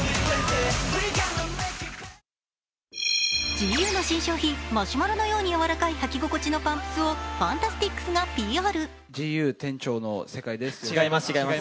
ＧＵの新商品、マシュマロのように柔らかい履き心地のパンプスをＦＡＮＴＡＳＴＩＣＳがＰＲ。